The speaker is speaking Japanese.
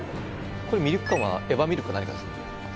これミルク感はエバミルクか何かですか？